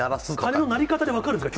鐘の鳴り方で分かるんですか？